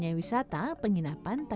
memang biasa kita kerah foreigner